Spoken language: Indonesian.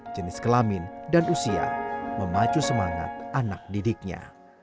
jenis kelamin dan usia memacu semangat anak didiknya